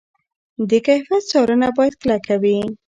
د کیفیت څارنه باید کلکه وي.